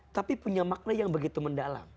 tapi punya makna yang begitu mendalam